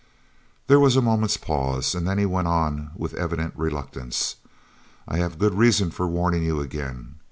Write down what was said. There was a moment's pause, and then he went on, with evident reluctance: "I have good reason for warning you again.